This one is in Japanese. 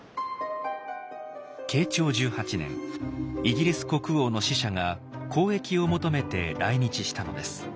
慶長１８年イギリス国王の使者が交易を求めて来日したのです。